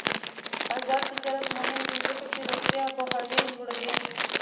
آزاد تجارت مهم دی ځکه چې روغتیايي پوهاوی لوړوي.